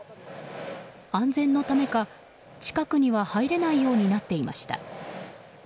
安全のためか近くには入れないようになっていました。